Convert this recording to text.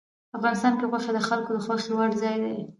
افغانستان کې غوښې د خلکو د خوښې وړ ځای دی.